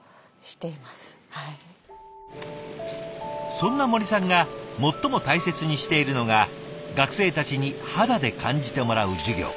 そんな森さんが最も大切にしているのが学生たちに肌で感じてもらう授業。